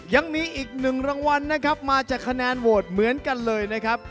ยังมีอีกหนึ่งรางวัลนะครับมาจากคะแนนโหวตเหมือนกันเลยนะครับ